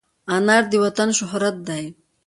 انار د وطن شهرت دی.